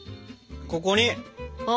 ここに！